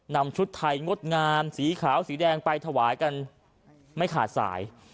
ชุดไทยงดงามสีขาวสีแดงไปถวายกันไม่ขาดสาย